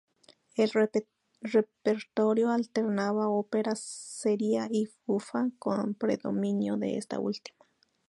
El repertorio alternaba ópera seria y bufa, con predominio de esta última.